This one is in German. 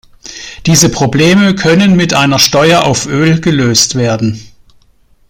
Diese Probleme können mit einer Steuer auf Öl gelöst werden.